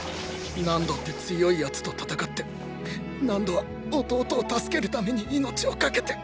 ナンドって強い奴と戦ってナンドは弟を助けるために命を懸けて。